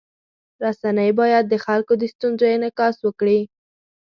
رسنۍ باید د خلکو د ستونزو انعکاس وکړي.